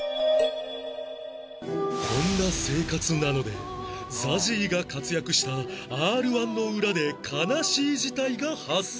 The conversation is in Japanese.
こんな生活なので ＺＡＺＹ が活躍した Ｒ−１ の裏で悲しい事態が発生